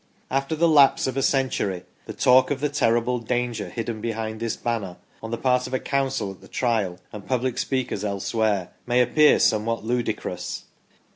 After the lapse of a century the talk" of the terrible danger hidden behind this banner, on the part of counsel at the Trial and public speakers elsewhere, may appear somewhat ludi crous.